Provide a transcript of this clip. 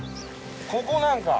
ここなんか。